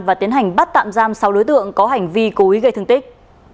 và tiến hành bắt tạm giam sáu đối tượng có hành vi cố ý gây thương tích